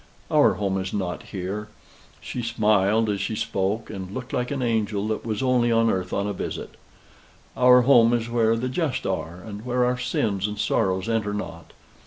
Our home is not here." She smiled as she spoke, and looked like an angel that was only on earth on a visit. "Our home is where the just are, and where our sins and sorrows enter not.